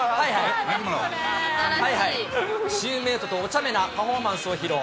はいはい、チームメートとおちゃめなパフォーマンスを披露。